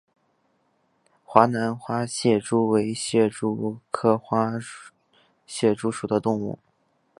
华南花蟹蛛为蟹蛛科花蟹蛛属的动物。